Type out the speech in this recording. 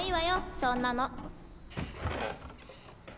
そんなの。